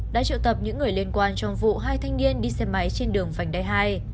đã triệu tập những người liên quan trong vụ hai thanh niên đi xe máy trên đường vành đai hai